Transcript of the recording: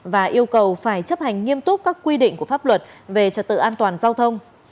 và yêu cầu phải chấp hành nghiêm túc các quy định của pháp luật về trật tự an toàn giao thông